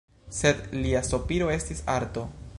Sed lia sopiro estis arto.